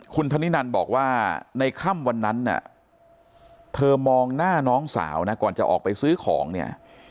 คุณธนินันบอกว่าในค่ำวันนั้นน่ะเธอมองหน้าน้องสาวนะก่อนจะออกไปซื้อของเนี่ย